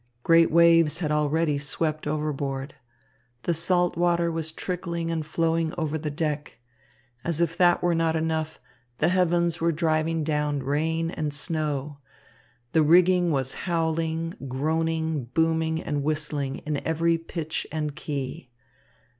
Great waves had already swept overboard. The salt water was trickling and flowing over the deck. As if that were not enough, the heavens were driving down rain and snow. The rigging was howling, groaning, booming, and whistling in every pitch and key.